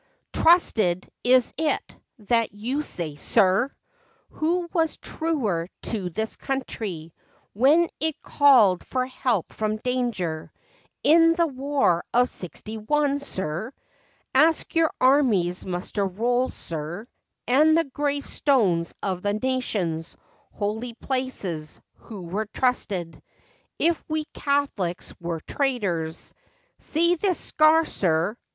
" Trusted, is it, that you say, sir ! Who was truer to this country When it called for help from danger In the war of sixty one, sir ? Ask your army's muster rolls, sir, And the grave stones of the nation's Holy places, who were trusted, If we Catholics were traitors ? See this scar, sir